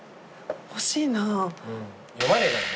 欲しいな。